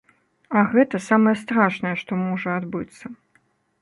А гэта самае страшнае, што можа адбыцца.